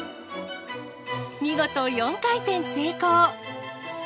見事、４回転成功。